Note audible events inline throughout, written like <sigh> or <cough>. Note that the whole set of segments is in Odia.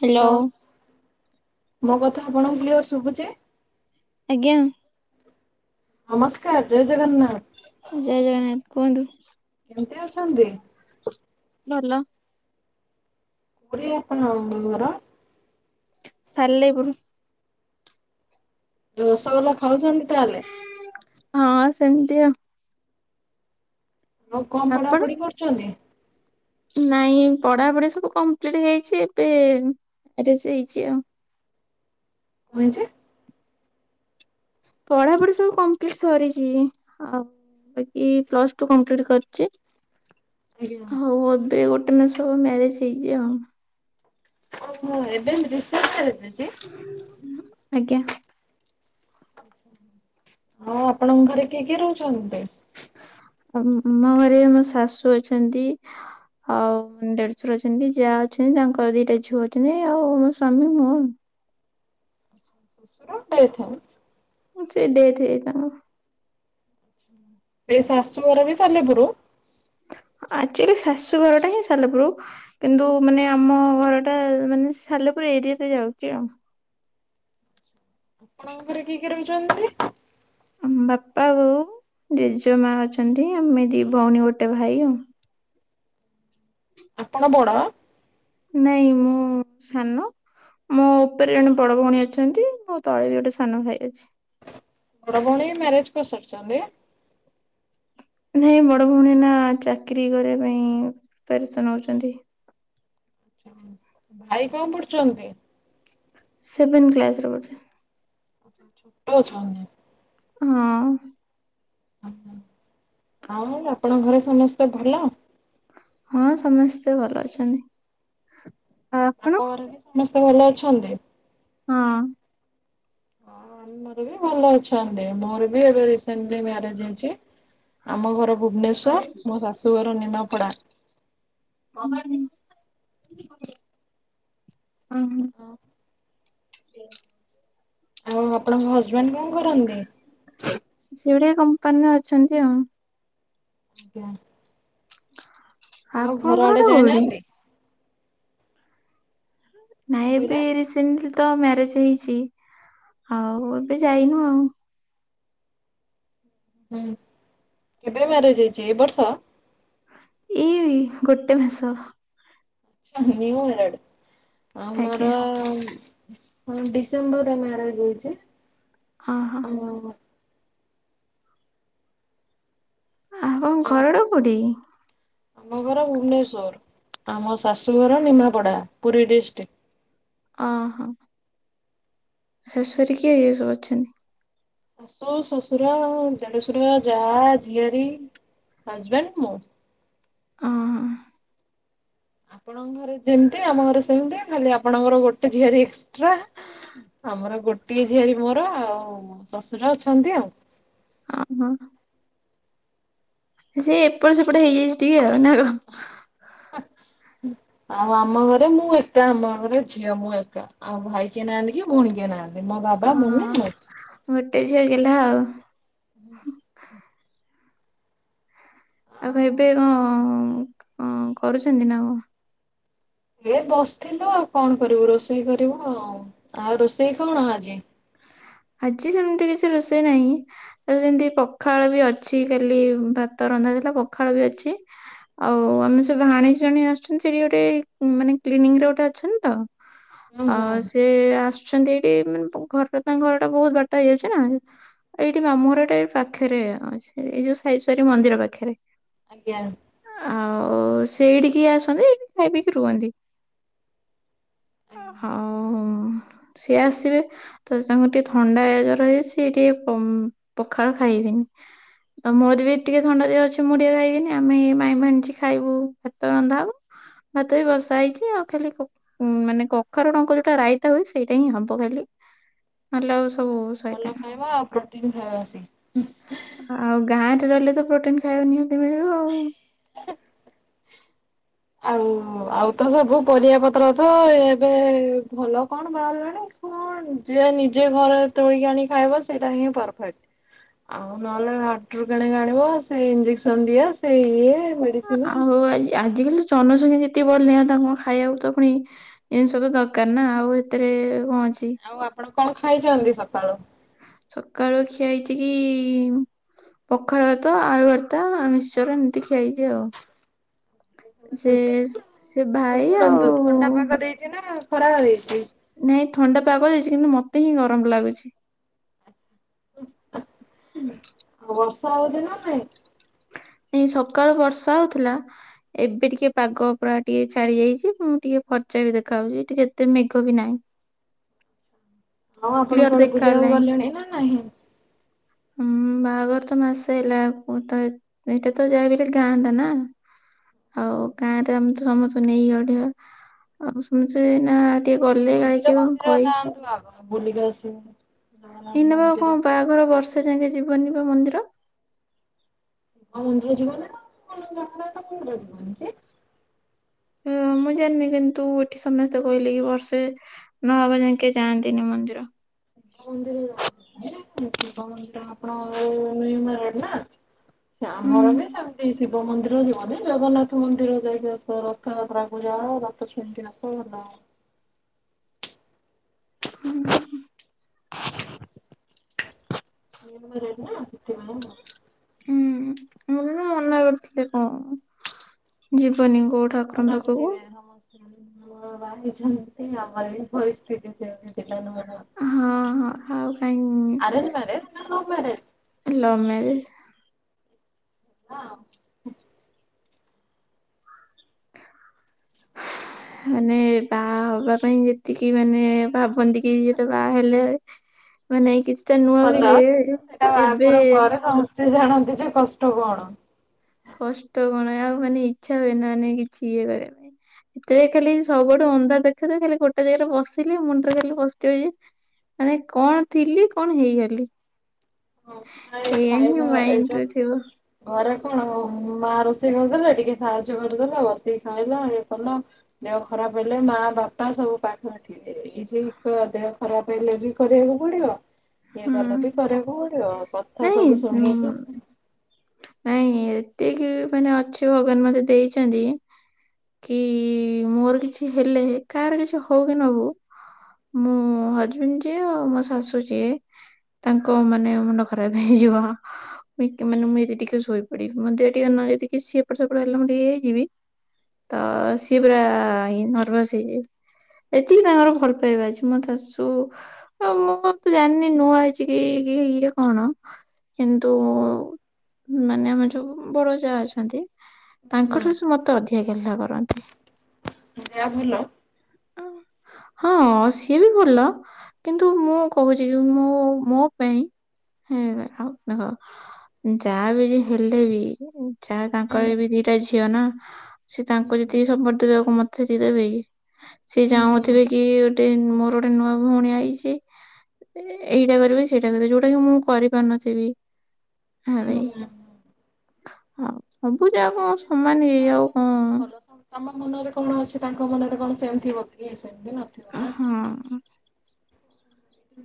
ହ୍ୟାଲୋ। ମୋ କଥା ଆପଣଙ୍କୁ କ୍ଲିଅର ଶୁଭୁଚି? ଆଜ୍ଞା। ନମସ୍କାର ଜୟ ଜଗନ୍ନାଥ ଜୟ ଜଗନ୍ନାଥ କୁହନ୍ତୁ । କେମିତି ଅଛନ୍ତି? ଭଲ କୋଉଠି ଆପଣଙ୍କ ଘର? ସାଲେପୁର। ରସଗୋଲା ଖାଉଛନ୍ତି? ତାହେଲେ ହଁ ସେମିତି ଆଉ । ଆଉ କଣ ଆପଣ ପଢାପଢି କରୁଛନ୍ତି? ନାଇଁ ପଢାପଢି ସବୁ କମ୍ପ୍ଲିଟ ହେଇଚି ଏବେ ମ୍ୟାରେଜ୍ ହେଇଚି ଆଉ । କଣ ହେଇଚି? ପଢାପଢି ସବୁ କମ୍ପ୍ଲିଟ ସରିଚି ଆଉ ବାକି ପ୍ଲସ ଟୁ କମ୍ପ୍ଲିଟ କରିଚି ଆଜ୍ଞା ହଉ ଏବେ ଗୋଟେ ମାସ ହବ ମ୍ୟାରେଜ ହେଇଚି ଆଉ। ଓହୋ ଏବେ ଏବେ ରିସେଣ୍ଟ ମ୍ୟାରେଜ ହେଇଚି? ଆଜ୍ଞା। ଆଉ ଆପଣଙ୍କ ଘରେ କିଏ କିଏ ରହୁଚନ୍ତି? ଆମ ଘରେ ଆମ ଶାଶୁ ଅଛନ୍ତି ଆଉ ଦେଢସୁର ଅଛନ୍ତି ଯାଆ ଅଛନ୍ତି ତାଙ୍କର ଦିଟା ଝୁଅ ଅଛନ୍ତି ଆଉ ମୋ ସ୍ଵାମୀ ମୁଁ ଆଉ । ଶଶୁର ଡେଥ? ସେ ଡେଥ ହେଇଯାଇଛି ତାଙ୍କର । ଏ ଶାଶୁଘର ବି ସାଲେପୁର । ଆକ୍ଚୁଆଲି ଶାଶୁ ଘରଟା ହିଁ ସାଲପୁର କିନ୍ତୁ ମାନେ ଆମ ଘରଟା ମାନେ ସାଲେପୁର ଏରିଆରେ ଯାଉଛି ଆଉ । ଆପଣଙ୍କ ଘରେ କିଏ କିଏ ରହୁଛନ୍ତି? ଆମ ବାପା ବୋଉ ଜେଜେମା ଅଛନ୍ତି ଆମେ ଦି ଭଉଣୀ ଗୋଟେ ଭାଇ ଆଉ । ଆପଣ ବଡ? ନାଇଁ ମୁଁ ସାନ। ମୋ ଉପରେ ଜଣେ ବଡ ଭଉଣୀ ଅଛନ୍ତି ମୋ ତଳେ ବି ଗୋଟେ ସାନ ଭାଇ ଅଛି । ବଡ ଭଉଣୀ ମ୍ୟାରେଜ କରିସାରିଛନ୍ତି? ନାଇଁ ବଡ ଭଉଣୀ ନା ଚାକିର କରିବା ପାଇଁ ପ୍ରିପାରେସନ ହଉଛନ୍ତି । ଭାଇ କଣ ପଢୁଛନ୍ତି? ସେଭେନ୍ କ୍ଲାସ ରେ ପଢୁଛି। ଛଉଛ। ହଁ। ଆଉ ଆପଣଙ୍କ ଘରେ ସମସ୍ତେ ଭଲ? ହଁ ସମସ୍ତେ ଭଲ ଅଛନ୍ତି। ଆଉ ଆପଣ ବାପଘର ବି ସମସ୍ତେ ଭଲ ଅଛନ୍ତି? ହଁ। ମର ବି ଭଲ ଅଛନ୍ତି ମୋର ବି ଏବେ ରିସେଣ୍ଟଲି ମ୍ୟାରେଜ ହେଇଛି। ଆମ ଘର ଭୁବନେଶ୍ଵର ମୋ ଶାଶୁ ଘର ନିମାପଡା। ଓ ହୁଁ। <inaudible> ଆଉ ଆପଣଙ୍କ ହଜବେଣ୍ଡ କଣ କରନ୍ତି? ସେ ଗୋଟେ କମ୍ପାନିରେ ଅଛନ୍ତି ଆଉ। ଆଜ୍ଞା। ଆଉ ଆପଣ ଘର ଆଡେ ଘରଟା କଉଠି? ଯାଇନାହାନ୍ତି କଣ ନାଇଁ ଏବେ କହିଲେ? ରିଶେଣ୍ଟଲି। ତ ମ୍ୟାରେଜ ହେଇଛି ଆଉ ଏବେ ଯାଇନୁ ଆଉ। ହୁଁ କେବେ ମ୍ୟାରେଜ ହେଇଛି ଏ ବର୍ଷ? ଏଇ ଗୋଟେ ମାସ। ଉ ହୁ ନିୟୁ ମ୍ୟାରେଡ ଆମର ଆଜ୍ଞା। ହଁ ଡିସେମ୍ବରରେ ମ୍ୟାରେଜ ହେଇଛି। ଅ ହ। ଆପଣ ଙ୍କ ଆଉ ଘରଟା କୋଉଠି? ଆମ ଘର ଭୁବନେଶ୍ଵର। ଆ ମୋ ଶାଶୁ ଘର ନିମାପଡା ପୁରୀ ଡିଷ୍ଟ୍ରିକ୍ଟ। ଅ ହ। ଶାଶୁଘରେ କିଏ କିଏ ସବୁ ଅଛନ୍ତି? ଶଶୁ, ଶଶୁର, ଦେଢଶୁର, ଯାଆ, ଝିଅରୀ। ହଜବେଣ୍ଡ ମୁଁ। ଅ ହ। ଆପଣଙ୍କ ଘରେ ଯେମିତି, ଆମ ଘରେ ସେମିତି, ଖାଲି ଆପଣଙ୍କର ଗୋଟେ ଝିଆରି ଏକ୍ସଟ୍ରା। ଆମର ଗୋଟିଏ ଝିଆରୀ ମୋର ଆଉ ଶଶୁର ଅଛନ୍ତି ଆଉ। ଅ ହ। ସେ ଏପଟେ ସେପଟ ହେଇଯାଇଛି ଟିକେ ଆଉ ନା କ। ଆଉ ଆମ ଘରେ ମୁଁ ଏକା ଆମ ଘରେ ଝିଅ ମୁଁ ଏକା। ଆଉ ଭାଇ କିଏ ନାହାନ୍ତି କି ଭଉଣୀ କିଏ ନାହାନ୍ତି। ମୋ ବାବା ଅ ମମି ମୁଁ। ଗୋଟେ ଝିଅ ଗେଲ୍ହା ଆଉ। ହୁ। ଆଉ କଣ ଏବେ କଣ କରୁଛନ୍ତି ନା କଣ? ଏ ବସିଥିଲୁ ଆଉ କଣ କରିବୁ ରୋଷେଇ କରିବୁ ଆଉ। ଆଉ ରୋଷେଇ କଣ ଆଜି? <inaudible> ଆଜି ସେମିତି କିଛି ରୋଷେଇ ନାହିଁ। ଆ ସେମତି ପଖାଳ ବି ଅଛି କାଲି ଭାତ ରନ୍ଧ ଥିଲା ପଖାଳ ବି ଅଛି। ଆଉ ଆମ ସେ ଭାଣିଜୀ ଜଣେ ଆସିଛନ୍ତି। ସେଠି ଗୋଟେ ମାନେ କ୍ଲିନିକ ରେ ଗୋଟେ ଅଛନ୍ତି ତ ହୁଁ ଆ ହୁଁ ସେ ଆସୁଛନ୍ତି ଏଇଠି ମାନେ ପ ଘର ତ ତାଙ୍କ ଘର ଟା ବହୁତ ବଟା ହେଇଯାଉଛି ନା ଏଇଠି ମାମୁ ଘର ଟା ଏ ପାଖରେ ଅଛି। ଏଇ ଯୋଉ ସାଇ ସ୍ୱରିମନ୍ଦିର ପାଖରେ। ଆଜ୍ଞା। ଆଉ ସେ ଏଇଠିକି ଆସନ୍ତି ଖାଇ ପିଇକି ରୁହନ୍ତି। ଆଜ୍ଞା ଆଉ ସିଏ ଆସିବେ ତ ତାଙ୍କୁ ଟିକେ ଥଣ୍ଡା ଏ ଜର ହେଇଯାଇଛି। ଟିକେ ପ ପଖାଳ ଖାଇବେନି। ତ ମୋର ବି ଟିକେ ଥଣ୍ଡା ଦିହ ଅଛି। ମୁ ଟିକେ ଖାଇବିନି ଆମେ ମାଇଁ ଭାଣିଜୀ ଖାଇବୁ ଭାତ ରନ୍ଧା ହବ ଭାତ ବି ବସା ହେଇଛି। ଆଉ ଖାଲି କ ମାନେ କଖାରୁ ଡଙ୍କ ଯୋଉଟା ରାଇତା ହୁଏ ସେଇଟା ହିଁ ହବ ଖାଲି। ନହେଲେ ଆଉ ସବୁ ଆଛା ଭଲ ସଇଲାଣି ଖାଇବା ଆଉ ପ୍ରୋଟିନ ଖାଇବା ସେ ଆଉ ଗାଁରେ ରହିଲେ ତ ପ୍ରୋଟିନ ଖାଇବା ନିହାତି ମିଳିବ ଆଉ। ଆଉ ଆଉ ତ ସବୁ ପରିବା ପତ୍ର ତ ଏବେ ଭଲ କଣ ବାହାରିଲାଣି କ ହ ଯିଏ ନିଜେ ଘରେ ତୋଳିକି ଆଣିକି ଖାଇବ ସେଇଟା ହିଁ ପରଫେକ୍ଟ। ଆଉ ନହେଲେ ହାଟରୁ କିଣିକି ଆଣିବ ସେ ଇଞ୍ଜେକ୍ସନ ଦିଆ ସେ ଇଏ ମେଡିସିନ ଆ ହଉ ଆଜି ଆଜିକାଲି ଜନସଂଖ୍ୟା ଯେତିକି ବଢ଼ିଲେଣି ଆଉ ତାଙ୍କୁ ଖାଇବାକୁ ତ ପୁଣି ଜିନିଷ ତ ଦରକାର ନା ଆଉ ଏତେ ହ ଆଉ ଆପଣ କଣ ଖାଇଛନ୍ତି ସକାଳୁ? ସକାଳ ଖିଆ ହେଇଛି କି ପଖାଳ ଭାତ ଆଳୁ ଭର୍ତା ମୀଶ୍ଚର ଏମିତି ଖିଆ ହେଇଛି ଆଉ। ସେ ଖାଇଛନ୍ତି ସେ ଭାଇ ଆଉ ଖରାବେଳ ହେଇଛି। ନାଇଁ ଥଣ୍ଡା ପାଗ ଦେଇଛି କିନ୍ତୁ ମତେ ହିଁ ଗରମ ଲାଗୁଛି। ଆଉ ବର୍ଷା ହଉଛି ନା ନାଇଁ? ଏ ସକାଳୁ ବର୍ଷା ହଉଥିଲା ଏବେ ଟିକେ ପାଗ ପୁରା ଟିକେ ଛାଡି ଯାଇଛି। ମୁଁ ଟିକେ ଫର୍ଚା ବି ଦେଖା ଯାଉଛି। ଟିକେ ଏତେ ମେଘ ବି ନାହିଁ। ଆଉ ଆପଣ କ୍ଲିୟର କୁଆଡେ ଦେଖା ପୁଜାକୁ ହେଲାଣି ଗଲେଣି ନା ନାହିଁ। ହୁଁ ବାହାଘର ତ ମାସେ ହେଲା ତ ଏଇଟା ତ ଯାହାବିହେଲେ ଗାଁ ଟା ନା। ଆଉ ଗାଁରେ ଆମେ ତ ସମସ୍ତଙ୍କୁ ନେଇକି ଅଡିବା ଆଉ ସମସ୍ତେ ଏଇନା ଟିକେ ଗଲେ କାଳେ ମନ୍ଦିର କିଏ କଣ ଫନ୍ଦିର କହିବ ଯାଆନ୍ତୁ ଆଗ ବୁଲିକି ଆସିବ। ଏଇନା ପା କଣ ବାହାଘର ବର୍ଷେ ଯାକେଁ ଯିବନି ବା ମନ୍ଦିର? ଶିବ ମନ୍ଦିର ଜୀବନିନା ଆଉ କୋଉ ମନ୍ଦିର ଯିବନି କି ହଁ ହ ମୁଁ ଜାଣିନି କିନ୍ତୁ ଏଠି ସମସ୍ତେ କହିଲେ କି ବର୍ଷେ ନ ହେବା ଯାକେ ଯାଆନ୍ତିନି ମନ୍ଦିର। ମନ୍ଦିର ଯାଆନ୍ତିନି। ଶିବ ମନ୍ଦିର ଆପଣ ନିଉ ମ୍ୟାରେଡ୍ ନା ଆମର ବି ସେମିତି ଶିବ ମନ୍ଦିର ଯିବନି ଜଗନ୍ନାଥ ମନ୍ଦିର ଯାଇକି ଆସ ରଥଯାତ୍ରାକୁ ଯାଅ ରଥ ଛୁଇଁକି ଆସ ଭଲ। ହୁଁ ନିଉ ମ୍ୟାରେଡ୍ ନା ସେଥି ପାଇଁ ଆଉ। ମତେ ତ ମନା କରିଥିଲେ କଣ ଯି ଯିବନି କୋଉ ଠାକୁରଙ୍କ ପାଖକୁ ନୁଆ ବାହା ହେଇଛନ୍ତି ଆମର ଏ ପରିସ୍ଥିତି ସେମିତି ହଁ ହଁ ଆଉ କାହିଁ ଆରେଞ୍ଜ ମ୍ୟାରେଜ୍ ନା ଲଭ ମ୍ୟାରେଜ୍? Love marriage. ହଁ। ମାନେ ବା ବାହା ହେବା ପାଇଁ ଯେତିକି ମାନେ ଭାବନ୍ତି କି ଯୋଟା ବାହା ହେଲେ ମାନେ କିଛି ଭଲ କିନ୍ତୁ ସେଟା ବାହାଘର ପରେ ସମସ୍ତେ ଜାଣନ୍ତି ଯେ କଷ୍ଟ କଣ। କଷ୍ଟ କଣ ଆଉ ମାନେ ଇଚ୍ଛା ହୁଏ ନା ମାନେ କିଛି ଇଏ କରିବା ପାଇଁ ଏଥି ଖାଲି ସବୁଠୁ ଅନ୍ଧା ଦେଖାଯାଏ ଖାଲି ଗୋଟେ ଜାଗାରେ ବସିଲି ମୁଣ୍ଡରେ ଖାଲି ପର୍ସିଥିବ ଯେ ମାନେ କଣ ଥିଲି କଣ ହେଇଗଲି। ହଁ ଖାଇ ଏଇଆ ହିଁ ଖାଇବା ଏ ଯୋ ମାଇଣ୍ଡରେ ଥିବ ଘରେ କଣ ହ? ମା ରୋଷେଇ କରିଦେଲେ ଟିକେ ସାହାଯ୍ୟ କରିଦେଲେ ବସିକି ଖାଇଲ ଇଏ କଲ ଦେହ ଖରାପ ହେଲେ ମା ବାପା ସବୁ ପାଖରେ ଥିବେ। ଏଇ ଯେ ଇ ଦେହ ଖରାପ ହେଲେ ବି କରିବାକୁ ପଡିବ ଇଏ ହୁଁ ଭଲ ବି କରିବାକୁ ପଡିବ। କଥା ସବୁ ନାଇଁ ଶୁଣିଚୁ। ନାଇଁ ଏତିକି ମାନେ ଅଛି ଭଗବାନ ମତେ ଦେଇଛନ୍ତି। କି ମୋର କିଛି ହେଲେ କାହାର କିଛି ହଉ କି ନ ହଉ ମୁଁ ହଜବେଣ୍ଡ ଯିଏ ଆଉ ମୋ ଶାଶୁ ଯିଏ ତାଙ୍କ ମାନେ ମୁଣ୍ଡ ଖରାପ ହେଇଯିବ ମାନେ ମୁ ଟିକେ ଶୋଇପଡିବି ମୋତେ ଟିକେ ନ ଯଦି ସେଏପଟ ସେପଟ ହେଲା ମୁଁ ଟିକେ ହେଇଯିବି। ତ ସିଏ ପରା ନର୍ଭସ ହେଇଯାଇ ଏତିକି ତାଙ୍କର ଭଲ ପାଇବା ଅଛି ମଁ ଶାଶୁ ମୁଁ ତ ଜାଣିନି ନୂଆ ହେଇଛି କି ଇଏ ଇଏ କଣ କିନ୍ତୁ ମାନେ ଆମ ଯୋଉ ବଡ ଯାହା ଅଛନ୍ତି ତାଙ୍କଠାରୁ ମତେ ଅଧିକା ଗେଲ କରନ୍ତି। ଯାଆ ଭଲ? ହଁ ସିଏ ବି ଭଲ କିନ୍ତୁ ମୁଁ କହୁଛି କି ମୁଁ ମୋ ପାଇଁ। ହଁ ଆଉ ଦେଖ ଯାଆ ବି ଯ ହେଲେ ବି ଯାଆ ହୁଁ ତାଙ୍କର ବି ଦୁଇଟା ଝିଅ ଝିଅ ନା ସିଏ ତାଙ୍କୁ ଯେତିକି ସପୋର୍ଟ ଦେବେ ଆଉ କଣ ମତେ ସେତିକି ଦେବେ କି। ସିଏ ହୁଁ ହୁଁ ଚାହୁଁଥିବେ କି ଗୋଟେ ମୋର ଗୋଟେ ନୂଆ ଭଉଣୀ ଆଇଛି। ଏଇଟା କରିବେ ସେଇଟା କରିବ ଯୋଉଟା କି ମୁଁ କରିପାରୁନଥିବି। ହୁଁ ହୁଁ ହ। ଆଉ ସବୁ ଯା କଣ ସମାନ ଚଳିଲେ ହେଇଯଉ ସମସ୍ତେ କଣ ଭଲ ତମ ମନରେ କଣ ଅଛି ତାଙ୍କ ମନରେ କଣ ସେମ ଥିବ କି। ସେମିତି ନଥିବ ନା। ହଁ।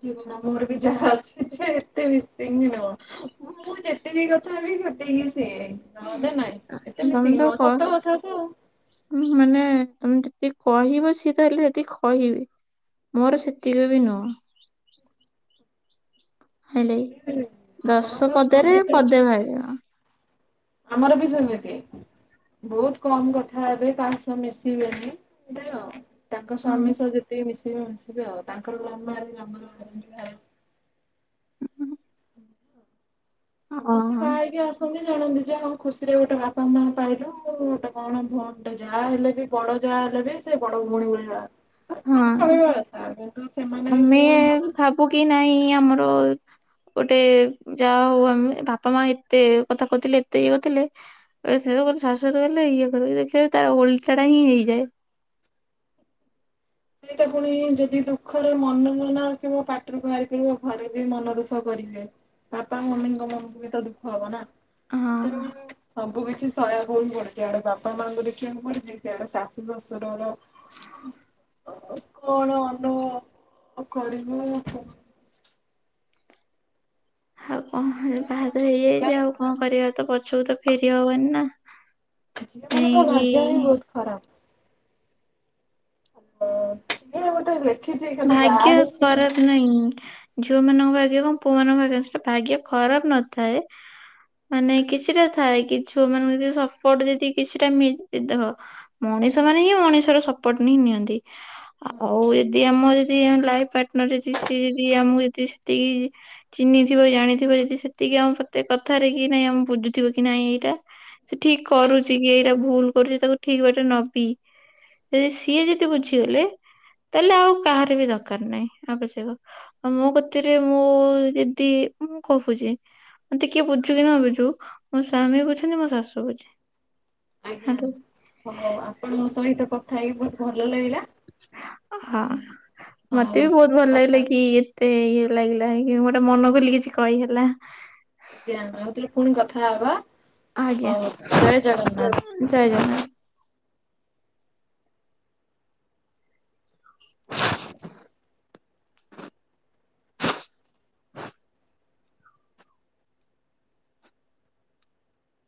ଯିବୁ ନା ମୋର ବି ଯା ଅଛି ସେ ଏତେ ବି ମିସିଙ୍ଗି ନୁହଁ ମୁଁ ଯେତିକି କଥା ସି ନାଇଁ ଏତେ ତମେ ମିଶିକି ନୁହଁ ତ ସତ କଥା ତ ଆଉ। ମାନେ ତମେ ଯେ କହିବ ସିଏ ତାହେଲେ ସେତିକି କହିବେ ମୋର ସେତିକି ବି ନୁହଁ। ହେଲେ ଦଶ ଆପଣଙ୍କ ସ୍ୱାମୀ ପଦରେ ଯେତେବେଳେ ପଦେ ଅଛନ୍ତି ଭାଇ। ଆମର ବି ସେମିତି। ବହୁତ କମ କଥା ହେବେ କାହା ସହ ମିଶିବେନି ଦେଖ ତାଙ୍କ ହଁ ସ୍ଵାମୀ ସହ ଯେତିକି ମିଶିବେ ମିଶିବେ ଆଉ ତାଙ୍କର ମାମା ଆଜି ଆମର ସମସ୍ତେ ବାହା ହେଇକି ଆସନ୍ତି। ଜାଣନ୍ତି ଯେ ହଣ ଖୁସିରେ ଗୋଟେ ବାପା ମା ପାଇଲୁ ଗୋଟେ କଣ ଭଉଣୀ ଟେ ଯାହା ହେଲେ ବି ବଡ ଯାଆ ସେ ବଡ ଭଉଣି ଭଳି ହଁ ଚଳିବା କଥା। ସେମାନେ ଆମେ କଣ ଭାବନ୍ତି ଭାବୁ କି ନାଇଁ ଆମର <inaudible> ଗୋଟେ ଯାହା ହଉ ଆମେ ବାପା ମା ଏତେ କଥା କହୁଥିଲେ ଏତେ ଇଏହୋଉଥିଲେ ଏବେ ସେଇଟା କୁ ଶାଶୁର ହେଲେ ଏଇଆ କରୁ ଦେଖବ ତାର ଓଲଟାଟା ହିଁ ହେଇଯାଏ। ହ ସେଇଟା ପୁଣି ଯଦି ଦୁଃଖରେ ମନ ମନା କିମ୍ୱା ପାଟିରୁ ବାହାରି ପାଡିବ ଘରେ ବି ମନ ଦୁଃଖ କରିବେ। ବାପା ମମିଙ୍କ ମନକୁ ବି ତ ଦୁଃଖ ହବ ନା ହଁ ଏଥିରେ ସବୁ କିଛି ସଲା ଭଉଣୀ ପଡୁଛି ବାପା ମାଁଙ୍କୁ ଦେଖିବାକୁ ପଡୁଛି ସେଆଡେ ଶାଶୁ ଶଶୁରର କଣ ଅନୁଭ କରିବୁ। ଆଉ କଣ ଝିଅ ବାହାଘର ମାନଙ୍କ ଭାଗ୍ୟ ହେଇଯାଇଛି ହିଁ ଆଉ କଣ ଖରାପ କରିବା ତ ପଛକୁ ତ ଫେରି ହବନି ନା। ଝିଅମାନଙ୍କ ଭାଗ୍ୟ ହିଁ ଏଣିକି ବହୁତ ଖରାପ। ହାଲ। ଭାଗ୍ୟ ଖରାପ ନାହିଁ। ଝିଅମାନଙ୍କ ଭାଗ୍ୟ କଣ ପୁଅମାନଙ୍କ ଭାଗ୍ୟ ସେଟା ଭାଗ୍ୟ ଖରାପ ନଥାଏ। ମାନେ କିଛିଟା ଥାଏ କି ଝିଅମାନଙ୍କୁ ଯଦି ସପୋର୍ଟ ଯଦି କିଛିଟା ମିଲିଅ ଦେଖ ମଣି ମଣିଷ ମାନେ ହିଁ ମଣିଷର ସପୋର୍ଟ ନିଁ ନିଅନ୍ତି ଆଉ ଯଦି ଆମର ଯଦି ଲାଇଫ ପାର୍ଟନର ଯଦି ସିଏ ଯଦି ଆମକୁ ସେତିକି ଯଦି ସେତିକି ଚିହ୍ନିଥିବ ଜାଣିଥିବ। ସେତିକି ଆମ ପ୍ରତ୍ୟେକ କଥାରେ କି ନାଇଁ ଆମ ବୁଦ୍ଧି ଥିବ କି ନାଇଁ ଏଇଟା। ସେ ଠିକ କରୁଚି କି ଏଇଟା ଭୁଲ କରୁଚି ତାକୁ ଠିକ ବାଟରେ ନବି। ଯଦି ସିଏ ଯେତେ ବୁଝିଗଲେ। ତାହେଲେ ଆଉ କାହାର ବି ଦରକାର ନାହିଁ ଆବଶ୍ୟକ ଆଉ ମୋ କତିରେ ମୁଁ ଯଦି ମୁଁ କହୁଚି ମତେ କିଏ ବୁଝୁକି ନ ବୁଝୁ ମୋ ସ୍ୱାମୀ ବୁଝନ୍ତି ମୋ ଶାଶୁ ବୁଝେ। ଆଜ୍ଞା ହାଲୋ ହଁ ଆପଣଙ୍କ ସହିତ କଥା ହେଇ ବହୁତ ଭଲ ଲାଗିଲା। ହଁ ମତେ ହଉ ବି ବହୁତ ଭଲ ଲାଗିଲ କଥା କି ଏତେ ଇଏ ଲାଗିଲା ଗୋଟେ ମନ ଖୋଲି କିଛି କହିହେଲା। ଆଜ୍ଞା ହଉ ତାହେଲେ ପୁଣି କଥା ହବା। ହଉ ଆଜ୍ଞା, ଜୟ ଜଗନ୍ନାଥ। ଜଗନ୍ନାଥ।